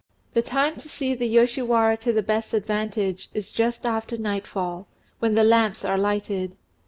The time to see the Yoshiwara to the best advantage is just after nightfall, when the lamps are lighted.